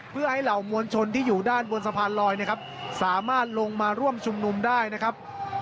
เพื่อให้เหล่ามวลชนที่อยู่ด้านบนสะพานลอยนะครับสามารถลงมาร่วมชุมนุมได้นะครับ